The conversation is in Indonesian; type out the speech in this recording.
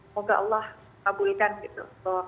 moga allah kabulkan gitu